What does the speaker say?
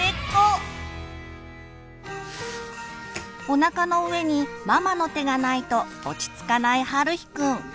おなかの上にママの手がないと落ち着かないはるひくん。